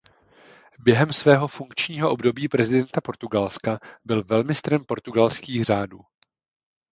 Během svého funkčního období prezidenta Portugalska byl velmistrem portugalských řádů.